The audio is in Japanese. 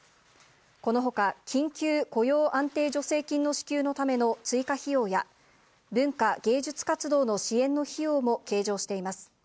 このほか、緊急雇用安定助成金の支給のための追加費用や、文化芸術活動の支援の費用も計上しています。